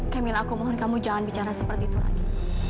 camil aku mohon kamu jangan bicara seperti itu lagi